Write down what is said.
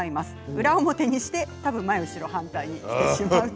裏表にして前後ろ反対にしています。